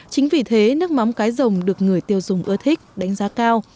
chính vì thế nước mắm cái rồng được người tiêu dùng ưa thích đánh giá cao